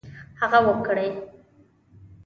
هغه وکړي.